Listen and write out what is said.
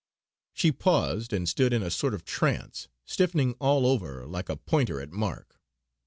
She paused and stood in a sort of trance, stiffening all over like a pointer at mark.